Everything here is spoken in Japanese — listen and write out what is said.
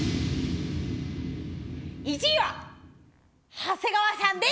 １位は長谷川さんです。